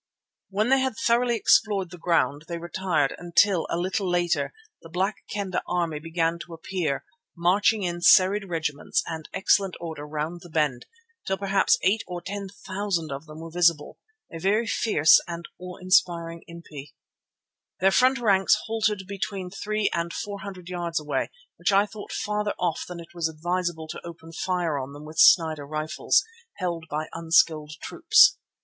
When they had thoroughly explored the ground they retired until, a little later, the Black Kendah army began to appear, marching in serried regiments and excellent order round the bend, till perhaps eight or ten thousand of them were visible, a very fierce and awe inspiring impi. Their front ranks halted between three and four hundred yards away, which I thought farther off than it was advisable to open fire on them with Snider rifles held by unskilled troops.